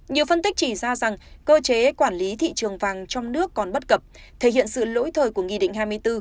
nhiều phân tích chỉ ra rằng cơ chế quản lý thị trường vàng trong nước còn bất cập thể hiện sự lỗi thời của nghị định hai mươi bốn